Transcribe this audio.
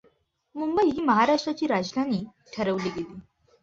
मुंबई ही महाराष्ट्राची राजधानी ठरवली गेली.